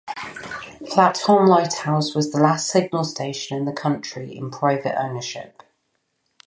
Flat Holm Lighthouse was the last signal station in the country in private ownership.